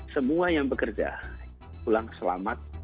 semua yang bekerja pulang selamat